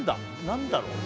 何だろう？